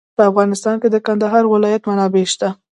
په افغانستان کې د کندهار ولایت منابع شته.